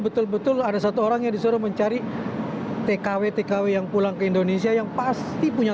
betul betul ada satu orang yang disuruh mencari tkw tkw yang pulang ke indonesia yang pasti punya